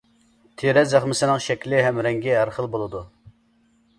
تېرە زەخمىسىنىڭ شەكلى ھەم رەڭگى ھەر خىل بولىدۇ.